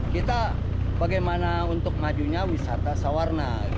kita bagaimana untuk majunya wisata sawar nah